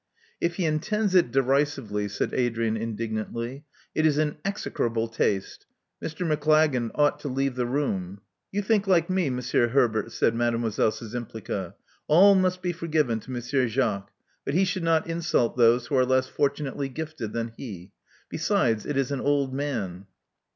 '*If he intends it derisively," said Adrian indig nantly, it is in execrable taste. Mr. Maclagan ought to leave the room." '*You think like me. Monsieur Herbert," said Mademoiselle Szczympliga. '*A11 must be forgiven to Monsieur Jacques; but he should not insult those who are less fortunately gifted than he. Besides, it is an old man."